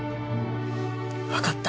わかった。